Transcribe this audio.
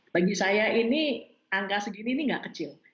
bagi saya ini angka segini ini nggak kecil